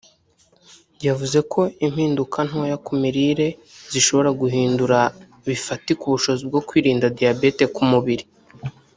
yavuze ko impinduka ntoya ku mirire zishobora guhindura bifatika ubushobozi bwo kwirinda diyabete k’umubiri